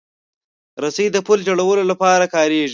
رسۍ د پُل جوړولو لپاره کارېږي.